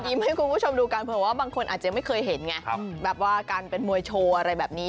ให้คุณผู้ชมดูกันเผื่อว่าบางคนอาจจะไม่เคยเห็นไงแบบว่าการเป็นมวยโชว์อะไรแบบนี้